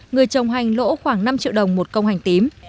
người trồng hành lỗ khoảng năm triệu đồng một công hành tím